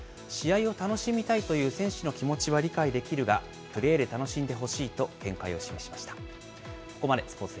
試合を楽しみたいという選手の気持ちは理解できるが、プレーで楽しんでほしいと見解を示しました。